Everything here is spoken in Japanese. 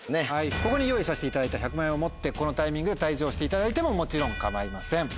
ここに用意させていただいた１００万円を持ってこのタイミングで退場していただいてももちろん構いません。